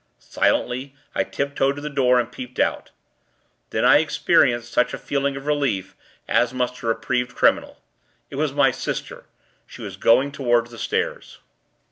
Silently, I tiptoed to the doorway, and peeped out. Then, I experienced such a feeling of relief, as must a reprieved criminal it was my sister. She was going toward the stairs.